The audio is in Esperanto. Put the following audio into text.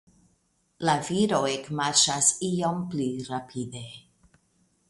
La viro ekmarŝas iom pli rapide.